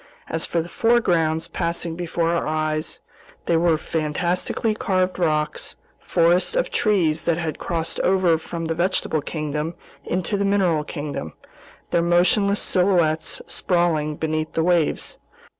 As for the foregrounds passing before our eyes, they were fantastically carved rocks, forests of trees that had crossed over from the vegetable kingdom into the mineral kingdom, their motionless silhouettes sprawling beneath the waves.